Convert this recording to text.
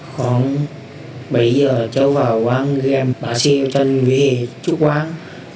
khoảng bảy giờ cháu vào quán game bà siêu chân với chút quán